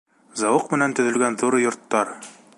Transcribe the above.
Зауыҡ менән төҙөлгән ҙур йорттар.